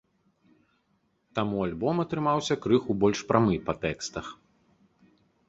Таму альбом атрымаўся крыху больш прамы па тэкстах.